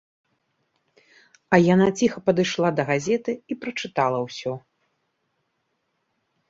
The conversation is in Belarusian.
А яна ціха падышла да газеты і прачытала ўсё.